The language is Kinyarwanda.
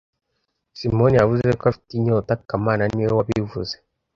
Simoni yavuze ko afite inyota kamana niwe wabivuze